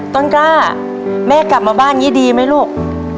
ต้นกล้าแม่กลับมาบ้านอย่างนี้ดีไหมลูก